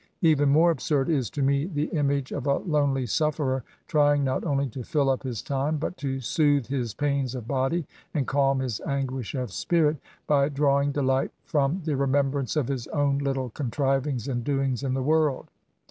Even more absurd is to me the image of a lonely sufferer, trying not only to fill up his time, but to soothe his pains of body, and calm his anguish of spirit, by drawing delight from the remembrance of his own little contrivings and doings in the world.